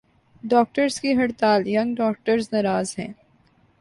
Doctors کی ہڑتال "young doctors "ناراض ہیں۔